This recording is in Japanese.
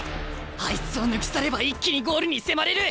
あいつを抜き去れば一気にゴールに迫れる！